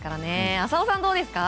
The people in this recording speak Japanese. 浅尾さん、どうですか？